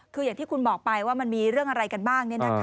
คืออย่างที่คุณบอกไปว่ามันมีเรื่องอะไรกันบ้าง